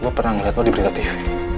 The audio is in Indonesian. gue pernah ngeliat lo di berita teh